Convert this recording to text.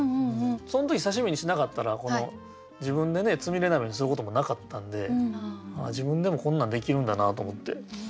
そん時刺身にしなかったら自分でつみれ鍋にすることもなかったんで自分でもこんなんできるんだなと思って。